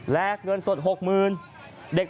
และเงินสด๖๐๐๐บาท